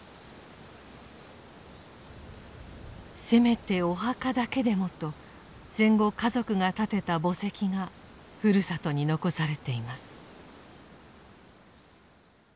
せめてお墓だけでもと戦後家族が建てた墓石がふるさとに残されています。